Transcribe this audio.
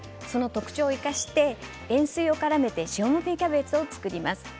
その特徴を生かして塩水をからめて塩もみキャベツを作ります。